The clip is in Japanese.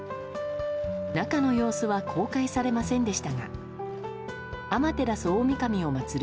中の様子は公開されませんでしたが天照大神を祭る